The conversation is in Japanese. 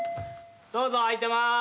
どうぞ開いてます。